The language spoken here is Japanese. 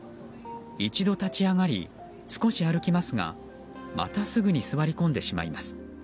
一度立ち上がり、少し歩きますがまたすぐに座り込んでしまいます。